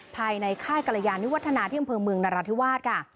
ภายในค่ายกรยานิวัฒนาที่อำเภอเมืองนราธิวาสค่ะ